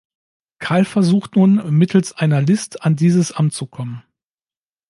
Karl versucht nun mittels einer List an dieses Amt zu kommen.